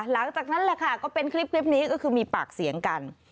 หลังจากนั้นแหละค่ะก็เป็นคลิปนี้ก็คือมีปากเสียงกัน